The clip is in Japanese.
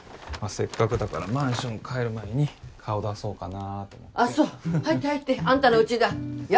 せっかくだからマンション帰る前に顔出そうかなと思ってあっそう入って入ってアンタのウチだいや